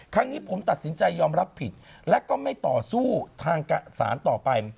ครั้งนี้ผมตัดสินใจยอมรับผิดและก็ไม่ต่อสู้ทางสารต่อไป